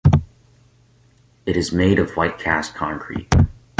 It is made of white cast concrete.